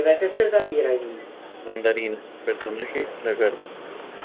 Mandarina, personaje: Lagarto.